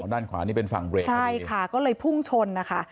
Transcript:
ด้านขวานี่เป็นฝั่งเบรกใช่ค่ะก็เลยพุ่งชนนะคะ